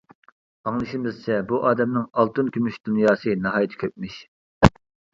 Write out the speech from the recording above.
ئاڭلىشىمىزچە، بۇ ئادەمنىڭ ئالتۇن، كۈمۈش، دۇنياسى ناھايىتى كۆپمىش.